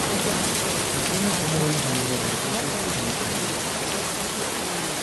Nació en el seno de una familia de artistas e impresores.